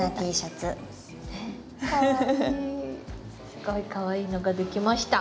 すごいかわいいのができました！